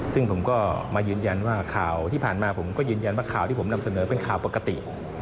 ซึ่งผมก็มายืนยันว่าข่าวที่ผ่านมาผมก็ยืนยันว่าข่าวที่ผมนำเสนอเป็นข่าวปกติ